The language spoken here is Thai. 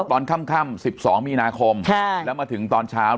ตอนค่ำค่ำสิบสองมีนาคมใช่แล้วมาถึงตอนเช้า